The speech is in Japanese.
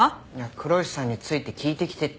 黒石さんについて聞いてきてって。